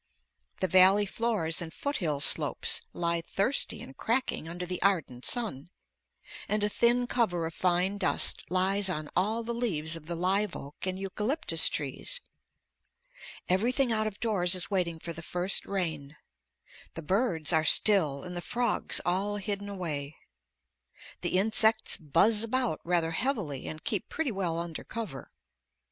The valley floors and foothill slopes lie thirsty and cracking under the ardent sun, and a thin cover of fine dust lies on all the leaves of the live oak and eucalyptus trees. Everything out of doors is waiting for the first rain. The birds are still and the frogs all hidden away. The insects buzz about rather heavily and keep pretty well under cover.